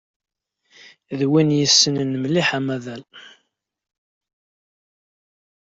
D win yessnen mliḥ amaḍal.